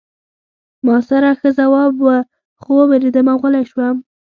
ما سره ښه ځواب و خو ووېرېدم او غلی شوم